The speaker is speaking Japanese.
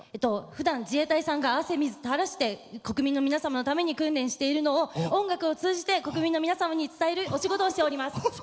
ふだん、自衛隊の皆さんが汗水たらして国民の皆様のために訓練しているのを音楽を通じて国民の皆さんに伝えるお仕事をしています。